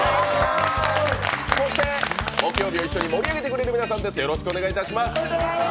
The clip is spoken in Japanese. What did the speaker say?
そして木曜日を一緒に盛り上げてくれる皆さんです。